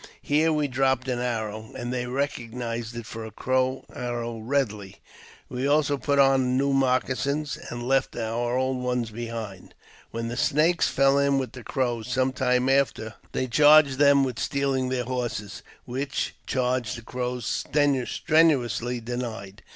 Here we dropped an arrow, and they recog nized it for a Crow arrow readily; we also put on new moccasins, and left our old ones behind us. When the Snakes fell in with the Crows some time after, they charged them with stealing their horses, which charge the Crows strenuously denied.